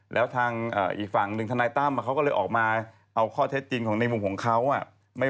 เราก็ไปให้ทางที่จำโดทได้ดูอีกที